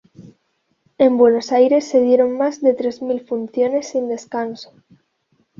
En Buenos Aires se dieron más de tres mil funciones sin descanso.